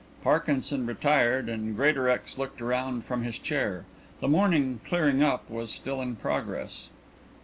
Parkinson retired and Greatorex looked round from his chair. The morning "clearing up" was still in progress.